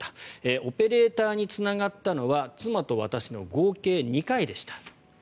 オペレーターにつながったのは妻と私の合計２回でした。